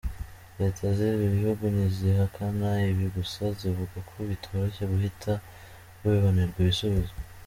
Leta z’ibi bihugu ntizihakana ibi gusa zivuga ko bitoroshye guhita bibonerwa ibisubizo.